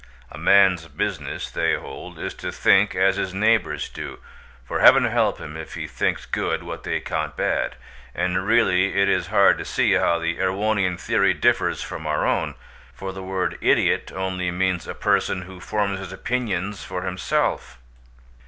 A man's business, they hold, is to think as his neighbours do, for Heaven help him if he thinks good what they count bad. And really it is hard to see how the Erewhonian theory differs from our own, for the word "idiot" only means a person who forms his opinions for himself.